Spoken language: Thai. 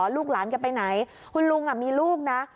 ลูกหลานจะไปไหนคุณลุงมีลูกนะ